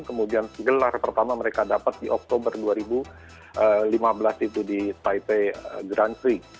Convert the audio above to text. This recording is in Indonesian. kemudian gelar pertama mereka dapat di oktober dua ribu lima belas itu di taipei grand prix